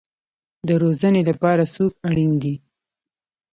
د روزنې لپاره څوک اړین دی؟